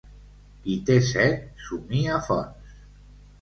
Qui té set, somia fonts.